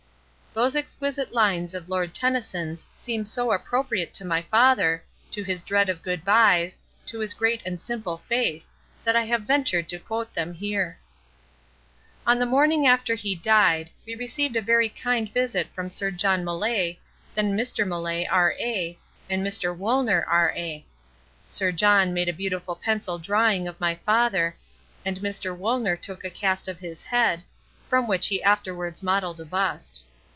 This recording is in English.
Those exquisite lines of Lord Tennyson's seem so appropriate to my father, to his dread of good byes, to his great and simple faith, that I have ventured to quote them here. On the morning after he died, we received a very kind visit from Sir John Millais, then Mr. Millais, R.A. and Mr. Woolner, R.A. Sir John made a beautiful pencil drawing of my father, and Mr. Woolner took a cast of his head, from which he afterwards modelled a bust.